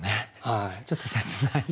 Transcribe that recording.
ちょっと切ない。